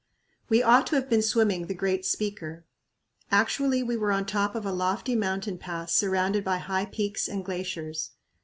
We ought to have been swimming "the Great Speaker." Actually we were on top of a lofty mountain pass surrounded by high peaks and glaciers.